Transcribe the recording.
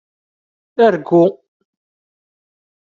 Argu.